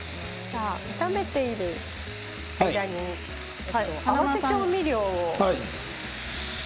炒めている間に合わせ調味料を。